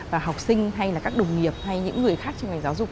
và học sinh hay là các đồng nghiệp hay những người khác trên mạng giáo dục